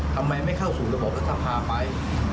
ทำไมไม่เข้าสู่ระบบรัฐสภาไป